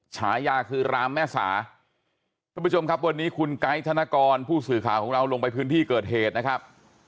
ฉายาคือรามแม่สาท่านผู้ชมครับวันนี้คุณไกด์ธนกรผู้สื่อข่าวของเราลงไปพื้นที่เกิดเหตุนะครับ